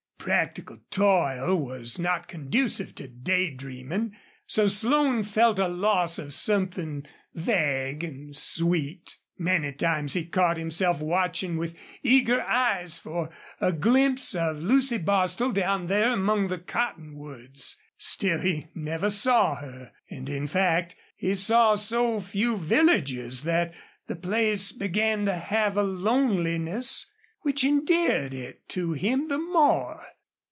Practical toil was not conducive to daydreaming, so Slone felt a loss of something vague and sweet. Many times he caught himself watching with eager eyes for a glimpse of Lucy Bostil down there among the cottonwoods. Still, he never saw her, and, in fact, he saw so few villagers that the place began to have a loneliness which endeared it to him the more.